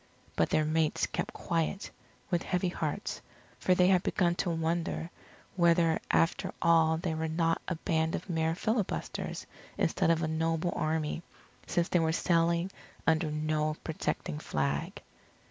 But their mates kept quiet, with heavy hearts, for they had begun to wonder whether after all they were not a band of mere filibusters instead of a noble army, since they were sailing under no protecting flag.